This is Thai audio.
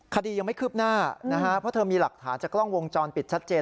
คดียังไม่คืบหน้านะฮะเพราะเธอมีหลักฐานจากกล้องวงจรปิดชัดเจน